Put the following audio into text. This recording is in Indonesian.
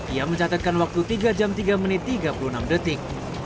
ia mencatatkan waktu tiga jam tiga menit tiga puluh enam detik